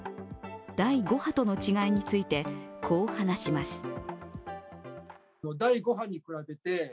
第５波との違いについて、こう話します。